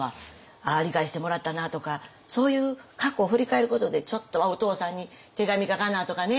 ああ理解してもらったなとかそういう過去を振り返ることでちょっとお父さんに手紙書かなとかね。